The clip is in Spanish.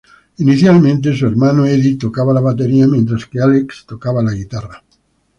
Inicialmente su hermano Eddie tocaba la batería, mientras que Alex tocaba guitarra.